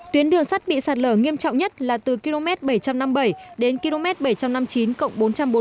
tuyến đường sắt bị sắt lờ nghiêm trọng nhất là từ km bảy trăm năm mươi bảy đến km bảy trăm năm mươi chín cộng bốn trăm bốn mươi